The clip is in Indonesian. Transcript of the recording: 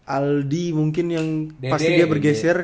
aldi mungkin yang pasti dia bergeser